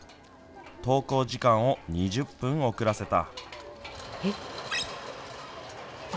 登校時間を２０分遅らせた。